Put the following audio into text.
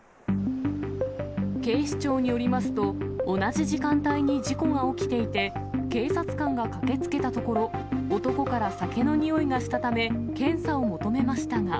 警視庁によりますと、同じ時間帯に事故が起きていて、警察官が駆けつけたところ、男から酒の臭いがしたため、検査を求めましたが。